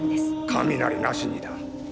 雷なしにだ。